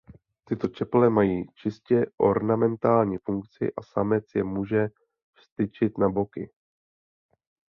Tyto čepele mají čistě ornamentální funkci a samec je může vztyčit nad boky.